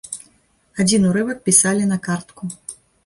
Адзін урывак пісалі на картку.